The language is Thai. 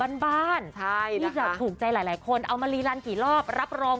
มันก็เหมือนกัน